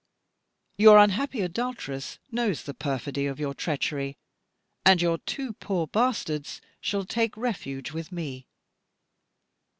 Your unhappy adulteress knows the perfidy of your treachery, and your two poor bastards shall take refuge with me.